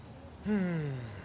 うん。